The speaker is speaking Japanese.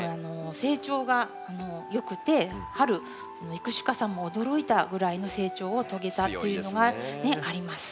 成長がよくて春育種家さんも驚いたぐらいの成長を遂げたっていうのがあります。